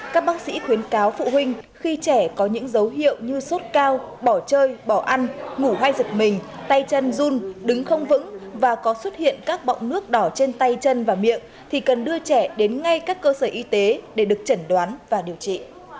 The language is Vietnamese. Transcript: các bác sĩ khuyến cáo phụ huynh khi trẻ có những dấu hiệu như sốt cao bỏ chơi bỏ ăn ngủ hay giật mình tay chân run đứng không vững và có xuất hiện các bọng nước đỏ trên tay chân và miệng thì cần đưa trẻ đến ngay các cơ sở y tế để được chẩn đoán và điều trị